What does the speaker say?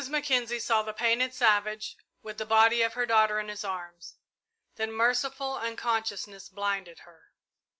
Mackenzie saw the painted savage with the body of her daughter in his arms, then merciful unconsciousness blinded her.